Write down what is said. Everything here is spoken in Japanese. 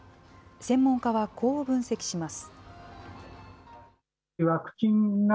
専門家はこう分析します。